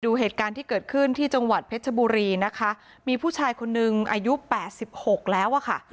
ดูเหตุการณ์ที่เกิดขึ้นที่จังหวัดเพชรบุรีมีผู้ชายคนหนึ่งอายุ๘๖แล้ว